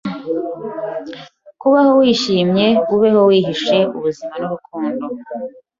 Kubaho wishimye, ubeho wihishe Ubuzima n'urukundo.